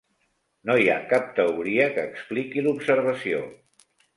No hi ha cap teoria que expliqui l'observació.